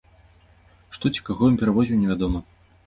Што ці каго ён перавозіў, невядома.